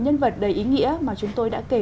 nhân vật đầy ý nghĩa mà chúng tôi đã kể